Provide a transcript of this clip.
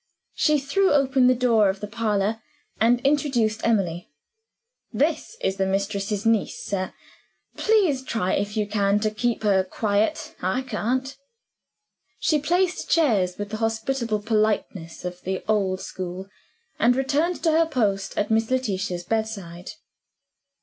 She threw open the door of the parlor, and introduced Emily. "This is the mistress's niece, sir. Please try if you can keep her quiet. I can't." She placed chairs with the hospitable politeness of the old school and returned to her post at Miss Letitia's bedside.